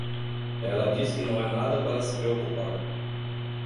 Ela diz que não é nada para se preocupar.